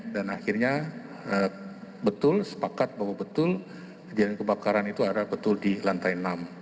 dan akhirnya betul sepakat bahwa betul kejadian kebakaran itu ada betul di lantai enam